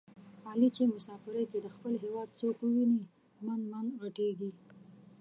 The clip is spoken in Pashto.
علي چې په مسافرۍ کې د خپل هېواد څوک وویني من من ِغټېږي.